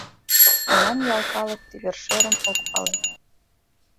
Молан ял калык ты вер-шӧрым ок пале?